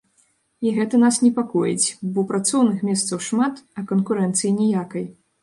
І гэта нас непакоіць, бо працоўных месцаў шмат, а канкурэнцыі ніякай.